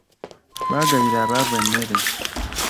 Baagabira abavu emmere.